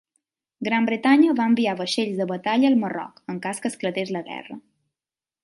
Gran Bretanya va enviar vaixells de batalla al Marroc, en cas que esclatés la guerra.